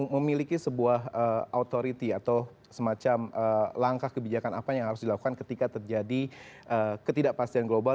memiliki sebuah authority atau semacam langkah kebijakan apa yang harus dilakukan ketika terjadi ketidakpastian global